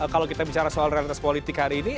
kalau kita bicara soal realitas politik hari ini